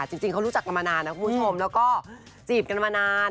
จริงเขารู้จักกันมานานนะคุณผู้ชมแล้วก็จีบกันมานาน